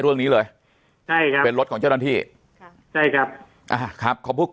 เรื่องนี้เลยก็เป็นรถของเจ้าน้ำที่ใช่ครับทั้งครับ